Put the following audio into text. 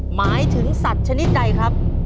หมายถึงสัตว์ชนิดใดครับ